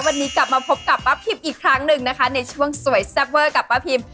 วันนี้กลับมาพบกับป้าพิมอีกครั้งหนึ่งนะคะในช่วงสวยแซ่บเวอร์กับป้าพิม